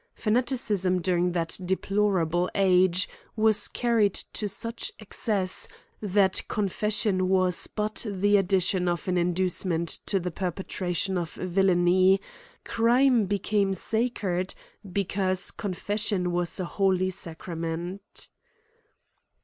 Fanaticism during that deplorable age, was car ried to such excess, that confession was but the addition of an inducement to the perpetration of villany : crime became sacred — because, confes sion was a holy sacrament.